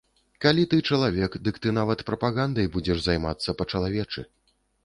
Калі ты чалавек, дык ты нават прапагандай будзеш займацца па-чалавечы.